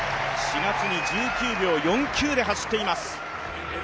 ４月に１９秒４９で走っています。